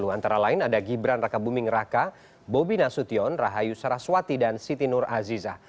antara lain ada gibran raka buming raka bobi nasution rahayu saraswati dan siti nur aziza